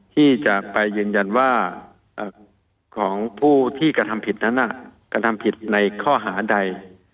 ที่จะไปยืนยันว่าของผู้ที่กระทำผิดนั้นกระทำผิดในข้อหาใด